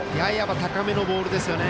高めのボールですよね。